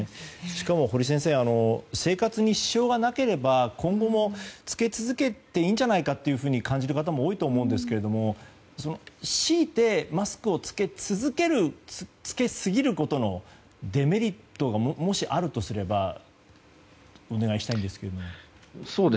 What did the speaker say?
しかも堀先生生活に支障がなければ今後も着け続けていいんじゃないかと感じる方も多いと思いますがマスクを着けすぎることのデメリットがあるとすれば教えていただきたいんですが。